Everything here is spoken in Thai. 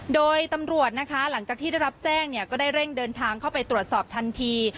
โดยตำรวจนะคะหลังจากที่ได้รับแจ้งเนี่ยก็ได้เร่งเดินทางเข้าไปตรวจสอบทันที